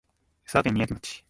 佐賀県みやき町